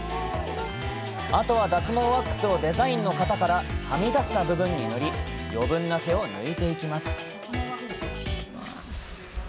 あとは脱毛ワックスをデザインの型からはみ出した部分に塗り、余分な毛を抜いていきます。